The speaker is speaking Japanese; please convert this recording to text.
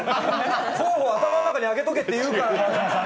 候補を頭の中に挙げとけって言うから。